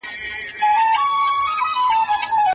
په ټولنه کي به د یو هوښیار کس په توګه یادیږئ.